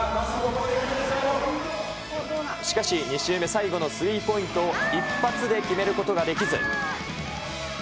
しかし、２周目、最後のスリーポイントを一発で決めることができず。